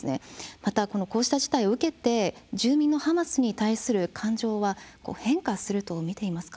また、こうした事態を受けて住民のハマスに対する感情は変化すると見ていますか？